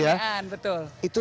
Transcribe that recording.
iya selengean betul